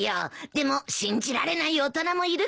でも信じられない大人もいるからね。